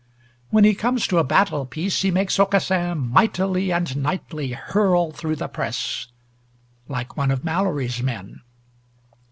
When he comes to a battle piece he makes Aucassin "mightily and knightly hurl through the press," like one of Malory's men.